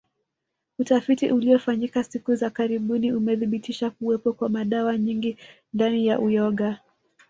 Utafiti uliofanyika siku za karibuni umethibitisha kuwepo kwa dawa nyingi ndani ya uyoga